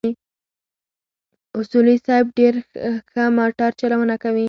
اصولي صیب ډېره ښه موټر چلونه کوله.